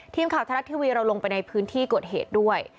ทีมข่าวชาวรัฐทีวีเราลงไปในพื้นที่กดเหตุด้วย